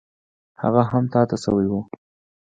هغه هم تا ته شوی و.